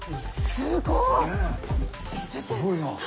すごいな。